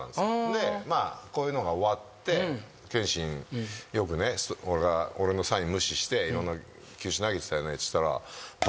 でこういうのが終わって「憲伸よく俺のサイン無視していろんな球種投げてたよね」って言ったら。